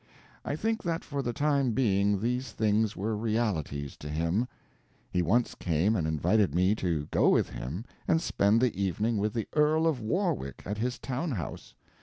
I think that for the time being these things were realities to him. He once came and invited me to go with him and spend the evening with the Earl of Warwick at his town house.